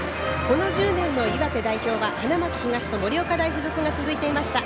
この１０年の岩手代表は花巻東と盛岡大付属が続いていました。